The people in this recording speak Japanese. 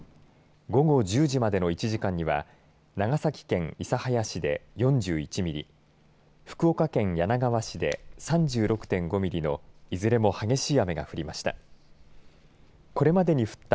午後１０時までの１時間には長崎県諫早市で４１ミリ福岡県柳川市で３６．５ミリのいずれも激しい雨が降りました。